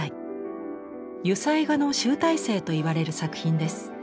油彩画の集大成といわれる作品です。